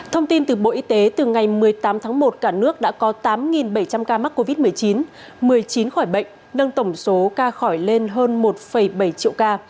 thông tin từ bộ y tế từ ngày một mươi tám tháng một cả nước đã có tám bảy trăm linh ca mắc covid một mươi chín một mươi chín khỏi bệnh nâng tổng số ca khỏi lên hơn một bảy triệu ca